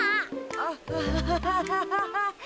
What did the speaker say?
アアハハハハ。